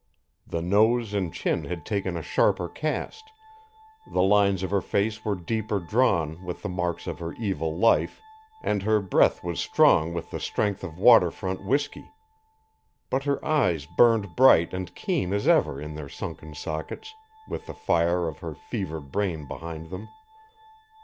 The nose and chin had taken a sharper cast, the lines of her face were deeper drawn with the marks of her evil life, and her breath was strong with the strength of water front whisky. But her eyes burned bright and keen as ever in their sunken sockets, with the fire of her fevered brain behind them.